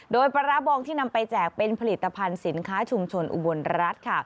โดยปลาร้าบองที่นำไปแจกเป็นผลิตภัณฑ์สินค้าชุมชนอุบลรัฐค่ะ